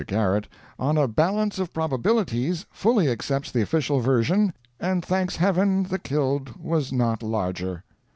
Garrett, "on a balance of probabilities, fully accepts the official version, and thanks Heaven the killed was not larger."